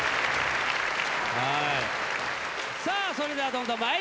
さあそれではどんどん参りましょう。